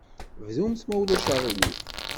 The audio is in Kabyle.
Bdumt, ma ulac aɣilif.